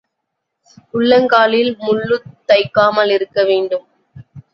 உள்ளங் காலில் முள்ளுத் தைக்காமல் இருக்க வேண்டும்.